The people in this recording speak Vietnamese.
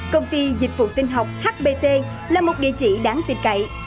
công ty dịch vụ tin học hbt là một địa chỉ đáng tin cậy